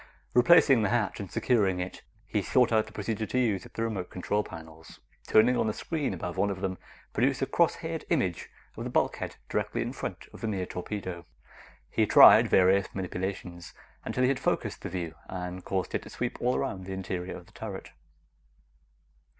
Replacing the hatch and securing it, he thought out the procedure to use at the remote control panels. Turning on the screen above one of them produced a cross haired image of the bulkhead directly in front of the near torpedo. He tried various manipulations until he had focused the view and caused it to sweep all around the interior of the turret.